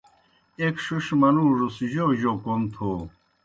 ایْک ݜِݜ منُوڙوْس جوْ جوْ کوْم تھو۔